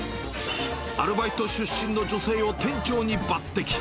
アルバイト出身の女性を店長に抜てき。